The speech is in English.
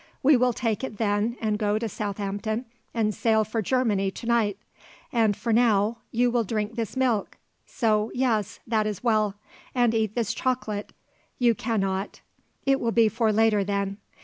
We will take it then and go to Southampton and sail for Germany to night. And for now, you will drink this milk so, yes; that is well; and eat this chocolate; you cannot; it will be for later then.